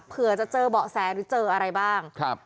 เผื่อจะเจอเบาะแสหรือเจออะไรบ้างครับ